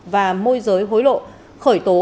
và môi giới hối lộ khởi tố